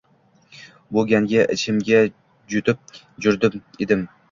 Bu gandi ichimg‘a jutib jurib edim